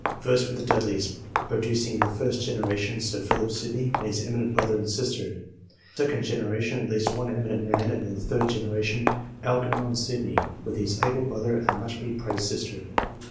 First with the Dudleys, producing in the first generation, Sir Philip Sydney and his eminent brother and sister ; in the second generation, at least one eminent man ; and in the third generation, Algernon Sydney, with his able brother and much be praised sister.